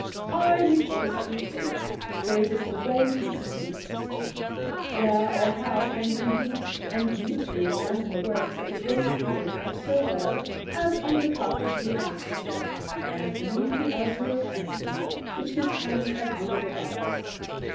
"I rejoice to hear it, for it is the way to become good Christians. Where or how can we meet and meetly examine the works of the great Creator so well as on the carpet he has spread, and beneath the azure canopy which his hands have reared above us?